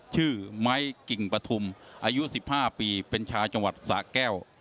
ชื่อไม้กิ่งปฐุมอายุ๑๕ปีเป็นชาวจังหวัดสะแก้ว